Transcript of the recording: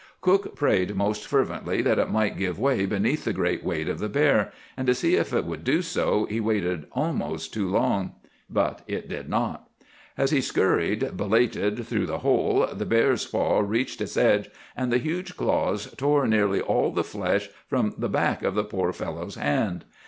"Cook prayed most fervently that it might give way beneath the great weight of the bear, and to see if it would do so he waited almost too long; but it did not. As he scurried, belated, through the hole, the bear's paw reached its edge, and the huge claws tore nearly all the flesh from the back of the poor fellow's hand.